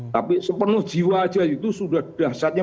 tapi sepenuh jiwa aja itu sudah dasarnya